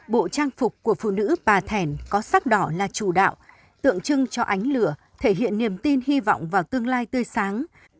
bộ trang phục của phụ nữ bà thẻn có sắc đỏ là chủ đạo tượng trưng cho ánh lửa thể hiện niềm tin hy vọng vào tương lai tươi sáng